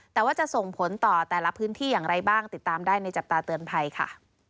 แต่ว่าจะส่งผลต่อแต่ละพื้นที่อย่างไรบ้างติดตามได้ในจับตาเตือนภัยค่ะ